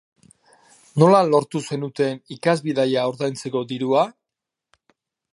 Nola lortu zenuten ikasbidaia ordaintzeko dirua?